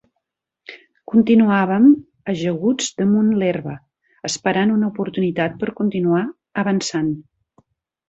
Continuàvem ajaguts damunt l'herba, esperant una oportunitat per continuar avançant